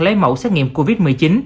lấy mẫu xét nghiệm covid một mươi chín